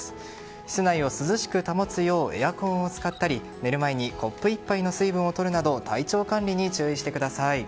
室内を涼しく保つようエアコンを使ったり寝る前にコップ１杯の水分をとるなど体調管理に注意してください。